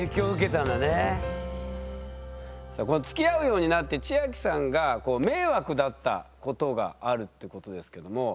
さあこのつきあうようになって千明さんが迷惑だったことがあるってことですけども。